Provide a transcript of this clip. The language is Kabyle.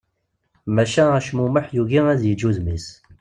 Maca acmumeḥ yugi ad yeǧǧ udem-is.